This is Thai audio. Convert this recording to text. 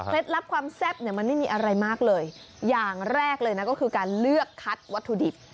ลับความแซ่บเนี่ยมันไม่มีอะไรมากเลยอย่างแรกเลยนะก็คือการเลือกคัดวัตถุดิบ